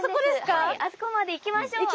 はいあそこまで行きましょう！